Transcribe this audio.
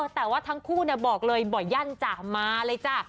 แต่ว่าทั้งคู่บอกเลยหมดยั้นจ๋ามา